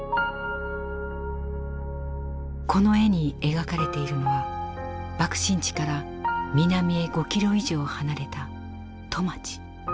この絵に描かれているのは爆心地から南へ５キロ以上離れた戸町。